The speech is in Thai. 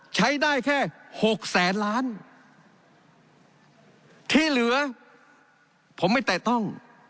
ใช้ได้แค่หกแสนล้านที่เหลือผมไม่แตะต้อง